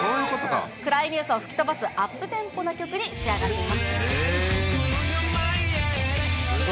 暗いニュースを吹き飛ばすアップテンポな曲に仕上がっています。